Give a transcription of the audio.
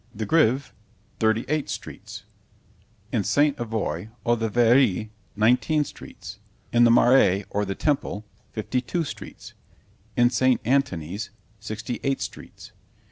The Greve, thirty eight streets. In St. Avoy, or the Verrerie, nineteen streets. In the Marais, or the Temple, fifty two streets. In St. Antony's, sixty eight streets.